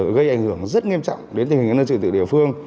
gây ảnh hưởng rất nghiêm trọng đến tình hình nhân sự tự địa phương